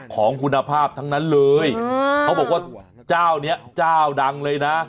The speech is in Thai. ของคุณภาพทั้งนั้นเลยเขาบอกว่าเจ้านี้เจ้าดังเลยนะ